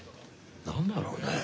何だろうね。